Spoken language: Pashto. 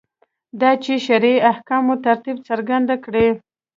دا چې شرعي احکامو ترتیب څرګند کړي.